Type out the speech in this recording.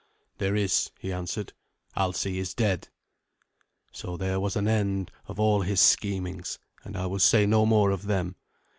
"There is," he answered. "Alsi is dead." So there was an end of all his schemings, and I will say no more of them.